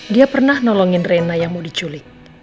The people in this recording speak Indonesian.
dia pernah nolongin rena yang mau diculik